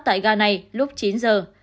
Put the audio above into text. tại gà này lúc chín giờ